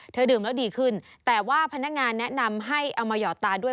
ดื่มแล้วดีขึ้นแต่ว่าพนักงานแนะนำให้เอามาหยอดตาด้วย